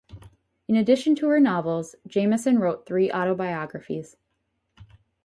In addition to her novels, Jameson wrote three autobiographies.